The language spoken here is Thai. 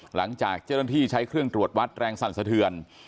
หลังจากเจ้าหน้าที่ใช้เครื่องตรวจวัดแรงสั่นสะเทือน